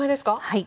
はい。